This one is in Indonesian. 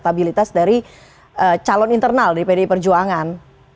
untuk menggenjot dari elektabilitas dari calon internal di pdi perjuangan